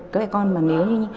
các em con mà nếu như